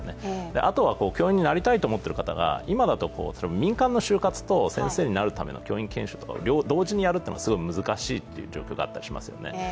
あとは教員になりたいと思っている人が今だと、民間の就活と先生になるための研修を同時にやるというのはすごく難しいという状況があったりしますよね。